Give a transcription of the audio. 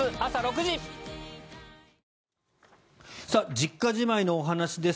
実家じまいのお話です。